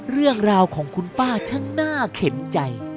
เรื่องราวของคุณป้าฉันน่าเข็นใจ